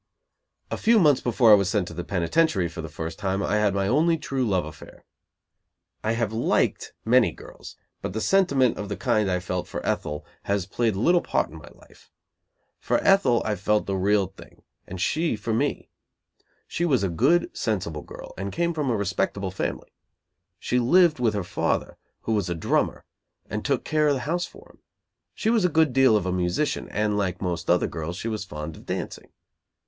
A few months before I was sent to the penitentiary for the first time, I had my only true love affair. I have liked many girls, but sentiment of the kind I felt for Ethel has played little part in my life. For Ethel I felt the real thing, and she for me. She was a good, sensible girl, and came from a respectable family. She lived with her father, who was a drummer, and took care of the house for him. She was a good deal of a musician, and, like most other girls, she was fond of dancing.